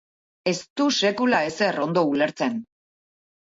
Ez du sekula ezer ondo ulertzen.